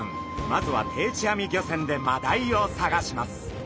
まずは定置網漁船でマダイを探します。